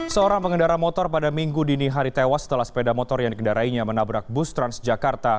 seorang pengendara motor pada minggu dini hari tewas setelah sepeda motor yang dikendarainya menabrak bus transjakarta